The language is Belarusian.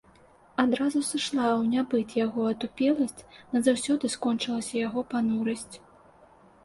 Адразу сышла ў нябыт яго атупеласць, назаўсёды скончылася яго панурасць.